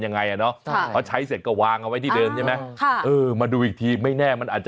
ยังไงอ่ะฟะไปใช้เห็นก็วางเอาไว้ที่เดิมใช่ไหมมานี้มันแน่มันอาจจะ